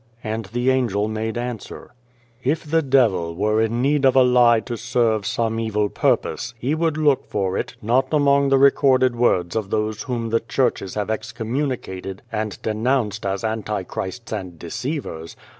And the Angel made answer :" If the Devil were in need of a lie to serve some evil purpose, he would look for it, not among the recorded words of those whom the Churches have excommunicated and de nounced as antichrists and deceivers.